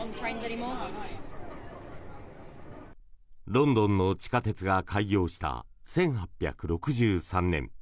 ロンドンの地下鉄が開業した１８６３年。